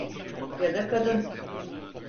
Ya da kadın.